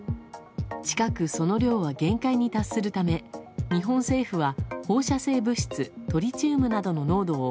近く、その量は限界に達するため日本政府は放射性物質トリチウムなどの濃度を